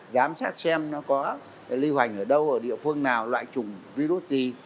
giám sát xem nó có lưu hoành ở đâu ở địa phương nào loại chủng virus gì